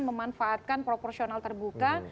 memanfaatkan proporsional terbuka